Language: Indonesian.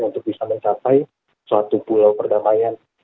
untuk bisa mencapai suatu pulau perdamaian